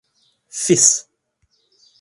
Fis.